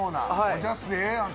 おじゃすええやん！